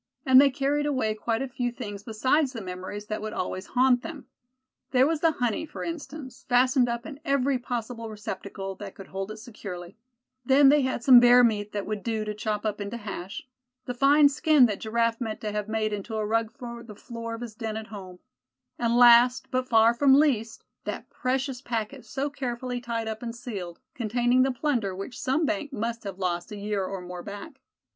And they carried away quite a few things besides the memories that would always haunt them. There was the honey, for instance, fastened up in every possible receptacle that could hold it securely; then they had some bear meat that would do to chop up into hash; the fine skin that Giraffe meant to have made into a rug for the floor of his den at home; and last but far from least, that precious packet so carefully tied up and sealed, containing the plunder which some bank must have lost a year or more back.